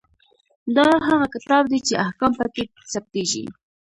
دا هغه کتاب دی چې احکام پکې ثبتیږي.